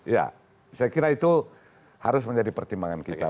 ya saya kira itu harus menjadi pertimbangan kita